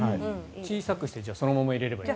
小さくしてそのまま入れればいい。